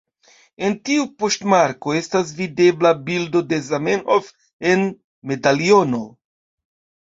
En tiu poŝtmarko estas videbla bildo de Zamenhof en medaliono.